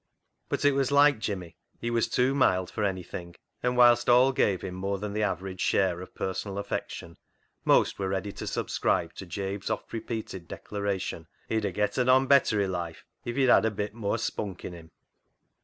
But it was like Jimmy. He was too mild for anything, and whilst all gave him more than the average share of personal affection most were ready to subscribe to Jabe's oft repeated declaration that " He'd a getten on better i' life if he'd had a bit mooar spunk in him."